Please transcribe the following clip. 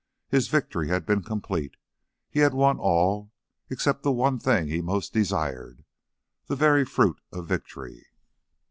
His victory had been complete. He had won all except the one thing he most desired, the very fruit of victory.